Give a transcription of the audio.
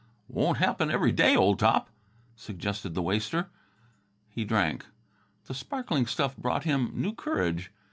"Won't happen every day, old top," suggested the waster. He drank. The sparkling stuff brought him new courage.